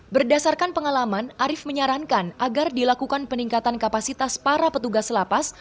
berdasarkan pengalaman arief menyarankan agar dilakukan peningkatan kapasitas para petugas lapas